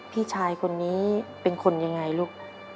พี่ชายคนนี้เป็นคนยังไงลูก